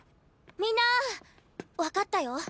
みんな分かったよ。